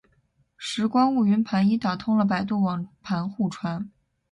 拾光坞云盘已经打通了百度网盘互传